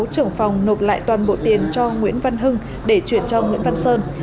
trưởng phòng nộp lại toàn bộ tiền cho nguyễn văn hưng để chuyển cho nguyễn văn sơn